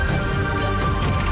tuhan yang mencintai kita